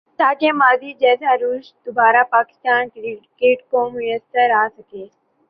تاکہ ماضی جیسا عروج دوبارہ پاکستان کرکٹ کو میسر آ سکے